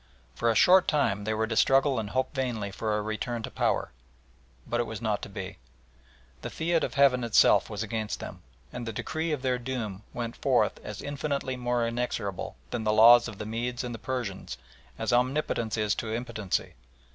For a short time they were to struggle and hope vainly for a return to power, but it was not to be. The fiat of Heaven itself was against them, and the decree of their doom went forth as infinitely more inexorable than the laws of the Medes and the Persians as Omnipotence is to impotency.